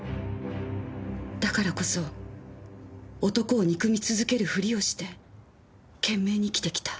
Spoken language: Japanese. だからこそ男を憎み続ける振りをして懸命に生きてきた。